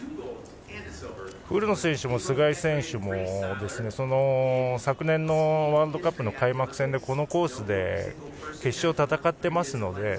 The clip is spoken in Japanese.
古野選手も須貝選手も昨年のワールドカップの開幕戦でこのコースで決勝を戦っていますので。